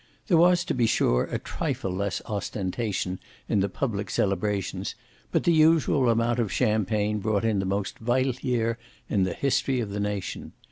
There was, to be sure, a trifle less ostentation in the public celebrations, but the usual amount of champagne brought in the most vital year in the history of the nation.